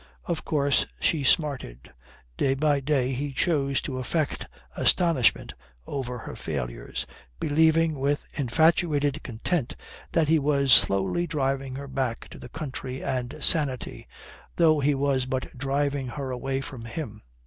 Of course she smarted. Day by day he chose to affect astonishment over her failures, believing with infatuated content that he was slowly driving her back to the country and sanity, though he was but driving her away from him.